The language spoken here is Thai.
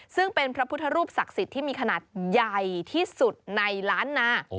ซึ่งเป็นพระพุทธรูปศักดิ์สิทธิ์ที่มีขนาดใหญ่ที่สุดในล้านนา